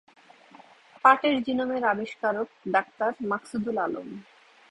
পাটের জিনোম এর আবিষ্কারক ডাক্তারমাকসুদুল আলম।